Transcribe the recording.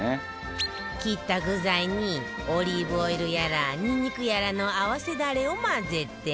切った具材にオリーブオイルやらニンニクやらの合わせダレを混ぜて